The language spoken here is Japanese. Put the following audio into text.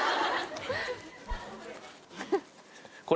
これ。